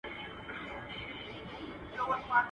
لکه پاتا ته وي راغلي پخوانۍ سندري.